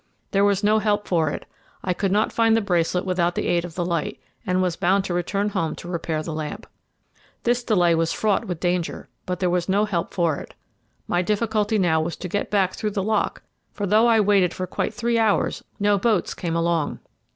There was no help for it I could not find the bracelet without the aid of the light, and was bound to return home to repair the lamp. This delay was fraught with danger, but there was no help for it. My difficulty now was to get back through the lock; for though I waited for quite three hours no boats came along.